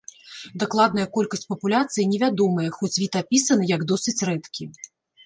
Дакладная колькасць папуляцыі не вядомая, хоць від апісаны, як досыць рэдкі.